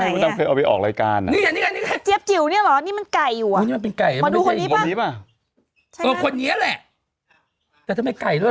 เมื่อก่อนจริงมันมีอยู่ใหน